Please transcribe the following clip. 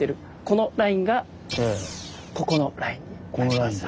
このラインがここのラインになります。